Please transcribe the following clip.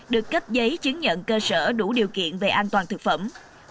được cấp giấy chứng nhận cơ sở đủ điều kiện về an toàn thực phẩm